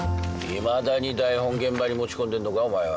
いまだに台本現場に持ち込んでんのかお前は。